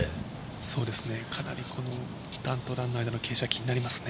かなり、段と段の間の傾斜、気になりますね。